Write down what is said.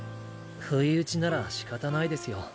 不意打ちならしかたないですよ。